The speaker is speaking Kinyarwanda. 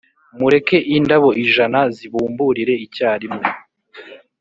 ‘mureke indabo ijana zibumburire icyarimwe